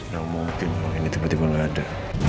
gak mungkin orang ini tiba tiba gak ada